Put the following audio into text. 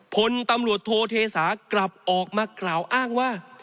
พลตำรวจโทเทศากลับออกมากล่าวอ้างว่า